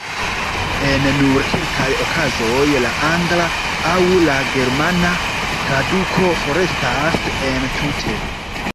En nur kelkaj okazoj la angla aŭ la germana traduko forestas entute.